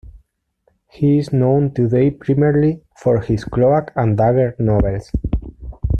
He is known today primarily for his cloak and dagger novels.